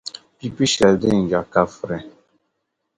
Pipi’ shɛli din yiɣi ka firi.